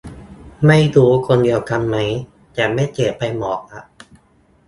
ไม่รู้คนเดียวกันไหม แต่เมสเสจไปบอกละ